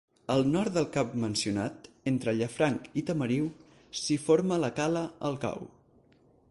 Al nord del cap mencionat, entre Llafranc i Tamariu, s'hi forma la cala el Cau.